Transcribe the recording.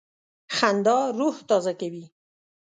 خندا روح تازه کوي.